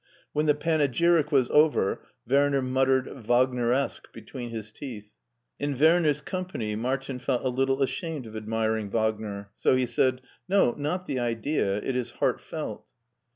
When the panegyric was over, Werner muttered " Wagneresque " between his teeth. In Werner's company Martin felt a little ashamed of admiring Wagner, so he said, " No, not the idea : it is heartfelt."